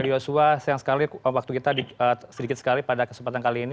terima kasih banyak sudah meluangkan waktu kita sedikit sekali pada kesempatan kali ini